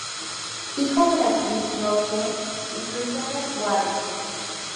Hijo de la actriz Brook Kerr y Christopher Warren.